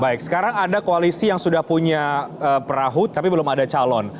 baik sekarang ada koalisi yang sudah punya perahu tapi belum ada calon